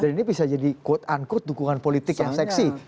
dan ini bisa jadi quote unquote dukungan politik yang seksi